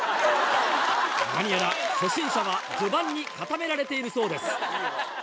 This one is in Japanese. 何やら初心者は序盤に固められているそうです。